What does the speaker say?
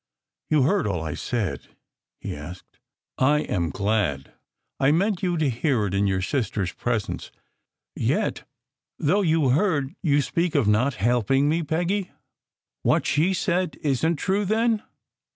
"You heard all I said?" he asked. "I am glad. I meant you to hear it in your sister s presence. Yet, though you heard, you speak of not helping me, Peggy? What she said isn t true, then?